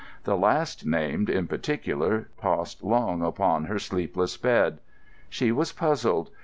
The last named, in particular, tossed long upon her sleepless bed. She was puzzled.